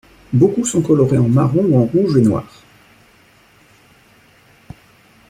Beaucoup sont colorés en marron ou en rouge et noir.